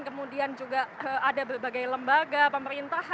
kemudian juga ada berbagai lembaga pemerintah